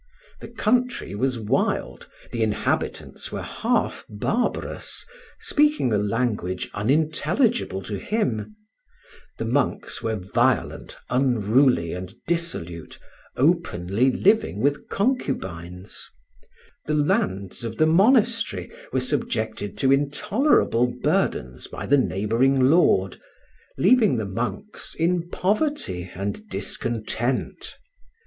The country was wild, the inhabitants were half barbarous, speaking a language unintelligible to him; the monks were violent, unruly, and dissolute, openly living with concubines; the lands of the monastery were subjected to intolerable burdens by the neighboring lord, leaving the monks in poverty and discontent.